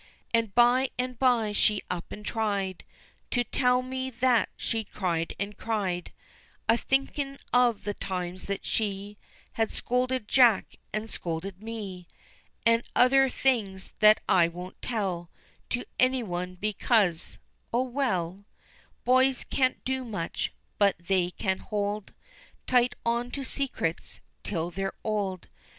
An' by an by she up and tried To tell me that she'd cried an' cried, A thinkin' of the times that she Had scolded Jack an' scolded me, An' other things that I won't tell To anyone, because O, well, Boys can't do much, but they can hold Tight on to secrets till they're old.